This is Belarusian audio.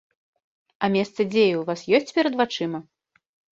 А месца дзеі ў вас ёсць перад вачыма?